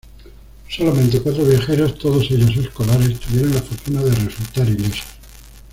Solamente cuatro viajeros, todos ellos escolares, tuvieron la fortuna de resultar ilesos.